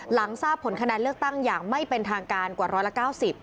หลังทราบผลคะแนนเลือกตั้งอย่างไม่เป็นทางการกว่าร้อยละ๙๐